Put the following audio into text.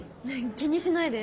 気にしないで！